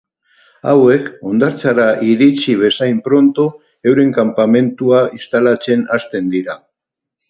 Hauek, hondartzara iritsi bezain pronto, euren kanpamentua instalatzen hasten dira.